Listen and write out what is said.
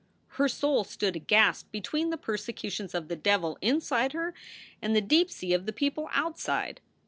Her soul stood aghast between the perse cutions of the devil inside her and the deep sea of the people outside.